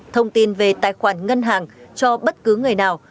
thông tin về tài khoản ngân hàng cho bất cứ người nào